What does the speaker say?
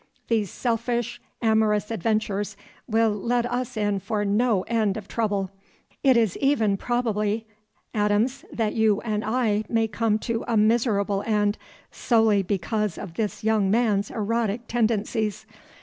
These selfish, amorous adventures will let us in for no end of trouble. It is even probable, Adams, that you and I may come to a miserable end, solely because of this young man's erotic tendencies.